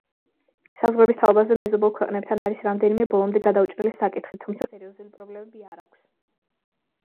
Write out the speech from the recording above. საზღვრების თაობაზე, მეზობელ ქვეყნებთან არის რამდენიმე ბოლომდე გადაუჭრელი საკითხი, თუმცა სერიოზული პრობლემები არ ქვს.